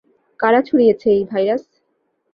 কারা ছড়িয়েছে এই ভাইরাস?